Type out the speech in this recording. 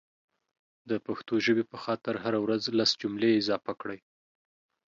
دا پښتو ژبې په خاطر هره ورځ لس جملي اضافه کړئ